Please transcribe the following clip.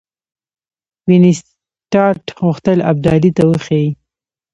وینسیټارټ غوښتل ابدالي ته وښيي.